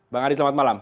bang adi selamat malam